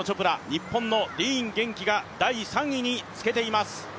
日本のディーン元気が第３位につけています。